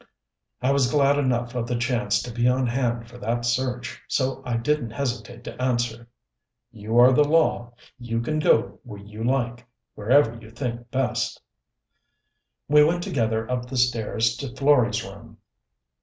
I was glad enough of the chance to be on hand for that search, so I didn't hesitate to answer. "You are the law. You can go where you like wherever you think best." We went together up the stairs to Florey's room.